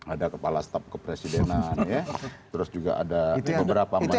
ada kepala staf kepresidenan terus juga ada beberapa menteri